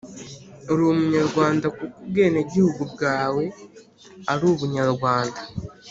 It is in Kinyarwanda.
uri umunyarwanda kuko ubwenegihugu bwawe ari ubunyarwanda